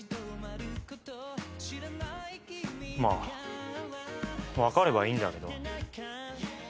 まあわかればいいんだけど。